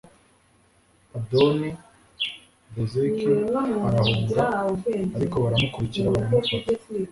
adoni bezeki arahunga, ariko baramukurikira baramufata